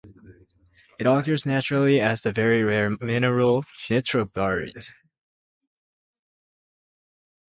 It occurs naturally as the very rare mineral "nitrobarite".